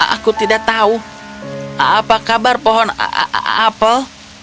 aku tidak tahu apa kabar pohon apel